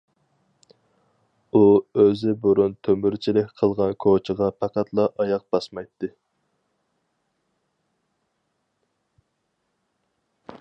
ئۇ ئۆزى بۇرۇن تۆمۈرچىلىك قىلغان كوچىغا پەقەتلا ئاياق باسمايتتى.